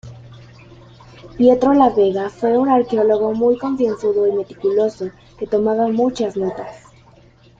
Pietro la Vega fue un arqueólogo muy concienzudo y meticuloso, que tomaba muchas notas.